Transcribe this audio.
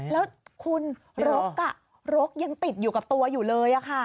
แล้วคุณรกอ่ะรกยังติดอยู่กับตัวอยู่เลยอ่ะค่ะ